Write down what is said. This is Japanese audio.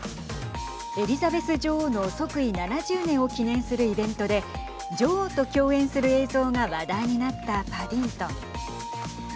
エリザベス女王の即位７０年を記念するイベントで女王と共演する映像が話題になったパディントン。